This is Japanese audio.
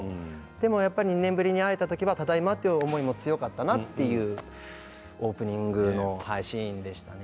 でもやっぱり２年ぶりに会えた時にはただいまという思いも強かったなというオープニングのシーンでしたね。